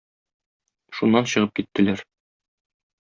Шуннан чыгып киттеләр.